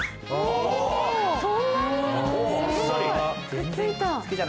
・くっついた。